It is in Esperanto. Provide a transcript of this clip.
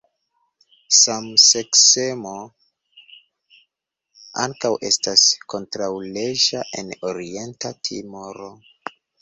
Samseksemo ankaŭ estas kontraŭleĝa en Orienta Timoro.